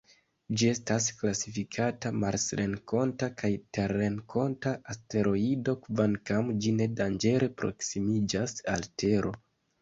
Ĝi estas klasifikata marsrenkonta kaj terrenkonta asteroido kvankam ĝi ne danĝere proksimiĝas al Tero.